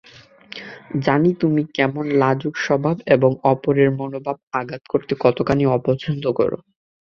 জানি তুমি কেমন লাজুকস্বভাব এবং অপরের মনোভাবে আঘাত করতে কতখানি অপছন্দ কর।